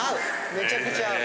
めちゃくちゃ合う。